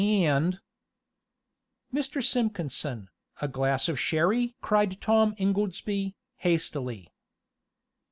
and " "Mr. Simpkinson, a glass of sherry?" cried Tom Ingoldsby, hastily.